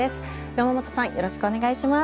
山本さんよろしくお願いします。